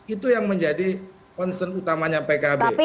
itu yang menjadi concern utamanya pkb